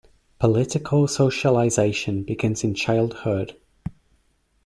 Political socialization begins in childhood.